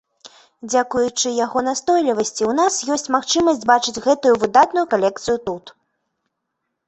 Дзякуючы яго настойлівасці, у нас ёсць магчымасць бачыць гэтую выдатную калекцыю тут.